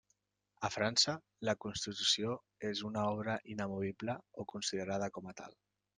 A França, la constitució és una obra inamovible o considerada com a tal.